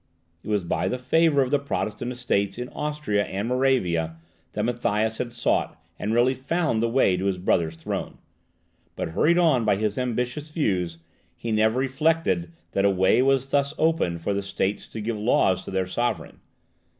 It was by the favour of the Protestant Estates in Austria and Moravia that Matthias had sought and really found the way to his brother's throne; but, hurried on by his ambitious views, he never reflected that a way was thus opened for the States to give laws to their sovereign.